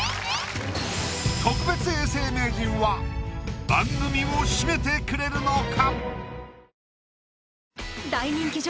特別永世名人は番組を締めてくれるのか？